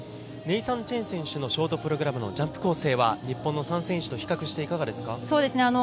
ネイサン・チェン選手のショートプログラムのジャンプ構成は日本の３選手と比較していかがですか？